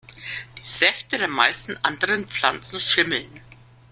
Die Säfte der meisten anderen Pflanzen schimmeln.